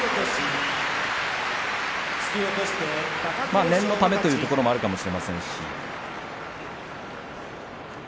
まあ念のためというところもあるかもしれません。